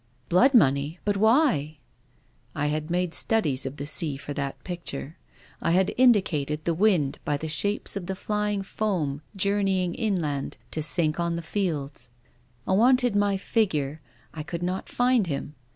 " Blood money ! But why ?"" I had made studies of the sea for that picture. I had indicated the wind by the shapes of the flying foam journeying inland to sink on the fields. I wanted my figure, I could not find him.